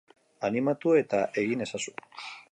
Animatu eta egin ezazu.